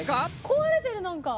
壊れてるなんか！